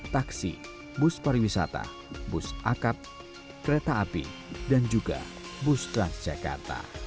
taksi bus pariwisata bus akap kereta api dan juga bus transjakarta